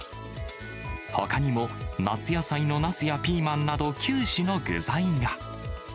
ほかにも、夏野菜のなすやピーマンなど、９種の具材が。